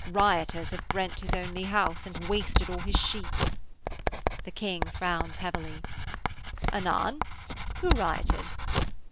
'Rioters have brent his only house and wasted all his sheep.' The King frowned heavily: 'Anan? Who rioted?'